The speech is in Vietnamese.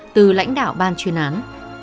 từ lãnh đạo ban chuyên án